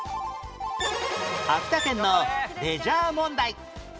秋田県のレジャー問題